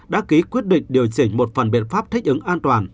đã ký quyết định điều chỉnh một phần biện pháp thích ứng an toàn